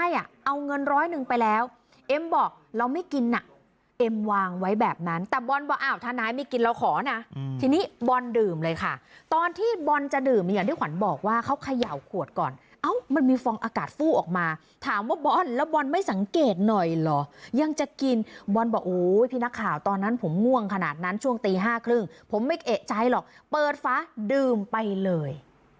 อย่างนั้นแต่บอลบอกถ้านายไม่กินเราขอนะทีนี้บอลดื่มเลยค่ะตอนที่บอลจะดื่มอย่างที่ขวัญบอกว่าเขาเขย่าขวดก่อนเอามันมีฟองอากาศฟูออกมาถามว่าบอลแล้วบอลไม่สังเกตหน่อยหรอยังจะกินบอลบอกโอ้วพี่นักข่าวตอนนั้นผมง่วงขนาดนั้นช่วงตี๕๓๐ผมไม่เอกใจหรอกเปิดฟ้าดื่มไปเลย